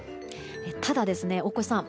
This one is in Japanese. ただ大越さん。